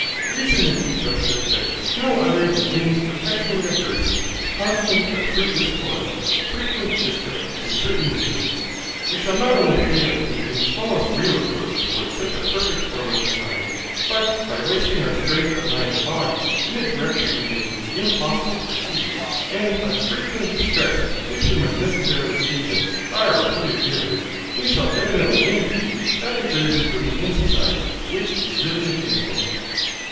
Reason would teach us to expect no other than winds perpetually adverse, constant but fruitless toil, frequent shipwreck, and certain misery. We shall not only fail in making the smallest real approach towards such a perfect form of society; but by wasting our strength of mind and body, in a direction in which it is impossible to proceed, and by the frequent distress which we must necessarily occasion by our repeated failures, we shall evidently impede that degree of improvement in society, which is really attainable.